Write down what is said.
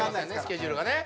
スケジュールがね。